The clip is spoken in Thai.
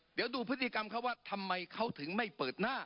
เดี๋ยวดูพฤติกรรมเขาว่าทำไมเขาถึงไม่เปิดหน้า